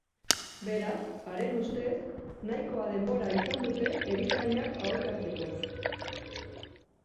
Beraz, haren ustez, nahikoa denbora izan dute erizainak aholkatzeko.